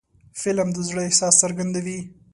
فلم د زړه احساس څرګندوي